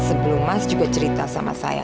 sebelum mas juga cerita sama saya